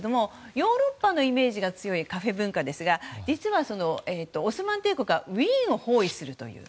ヨーロッパのイメージが強いカフェ文化ですが実はオスマン帝国はウィーンを包囲するという。